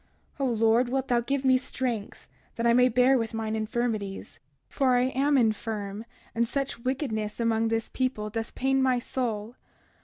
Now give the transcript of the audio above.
O Lord, wilt thou give me strength, that I may bear with mine infirmities. For I am infirm, and such wickedness among this people doth pain my soul.